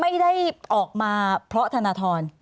ไม่ได้ออกมาเพราะธนทร